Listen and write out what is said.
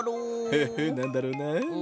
フフッなんだろうな？